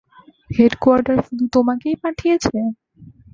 Headquarter শুধু তোমাকেই পাঠিয়েছে?